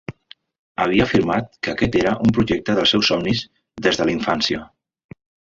Havia afirmat que aquest era el projecte dels seus somnis des de la infància